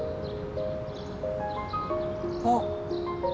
あっ。